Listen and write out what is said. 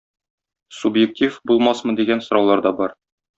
Субъектив булмасмы дигән сораулар да бар.